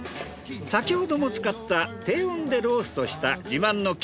先ほども使った低温でローストした自慢のＱ